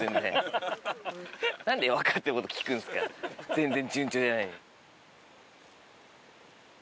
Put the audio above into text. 全然順調じゃないのに。